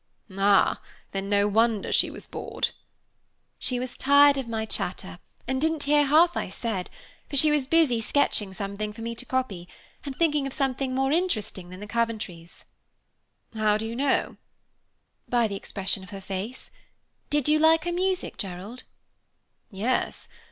"Ah, then no wonder she was bored." "She was tired of my chatter, and didn't hear half I said; for she was busy sketching something for me to copy, and thinking of something more interesting than the Coventrys." "How do you know?" "By the expression of her face. Did you like her music, Gerald?" "Yes.